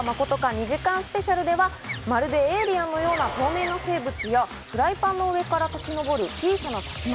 ２時間ＳＰ』ではまるでエイリアンのような透明の生物やフライパンの上から立ち上る小さな竜巻。